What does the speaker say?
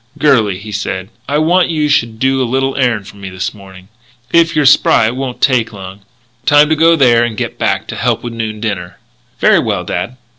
"Girlie," he said, "I want you should do a little errand for me this morning. If you're spry it won't take long time to go there and get back to help with noon dinner." "Very well, dad."